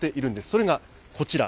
それがこちら。